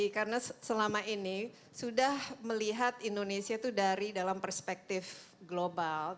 karena selama ini sudah melihat indonesia itu dari dalam perspektif global